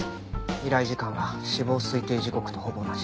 依頼時間は死亡推定時刻とほぼ同じ。